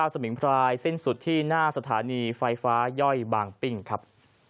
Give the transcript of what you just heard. สวัสดีครับ